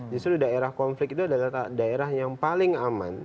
justru daerah konflik itu adalah daerah yang paling aman